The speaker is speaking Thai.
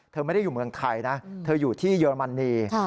เธอไม่ได้อยู่เมืองไทยนะเธออยู่ที่เยอรมนี